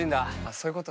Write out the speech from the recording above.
そういうこと